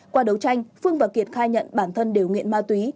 qua đấu tranh phương và kiệt khai nhận bản thân đều nghiện ma túy